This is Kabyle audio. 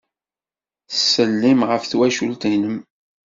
Ttsellim ɣef twacult-nnem.